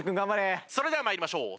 それでは参りましょう。